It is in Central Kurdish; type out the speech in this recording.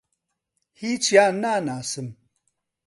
هیچیان ناناسم.